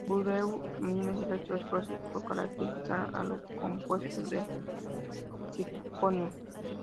Bureau of Mines hizo esfuerzos por caracterizar al los compuestos de circonio.